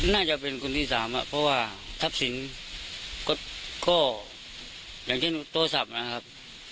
น่าจะเป็นคนที่สามเพราะว่าทรัพย์สินก็อย่างเช่นโทรศัพท์นะครับ